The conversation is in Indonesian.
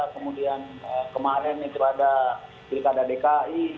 kemudian kemarin itu ada pilkada dki